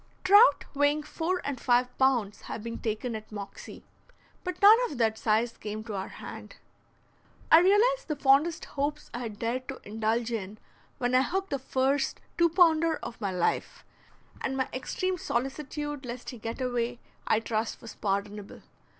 Trout weighing four and five pounds have been taken at Moxie, but none of that size came to our hand. I realized the fondest hopes I had dared to indulge in when I hooked the first two pounder of my life, and my extreme solicitude lest he get away I trust was pardonable.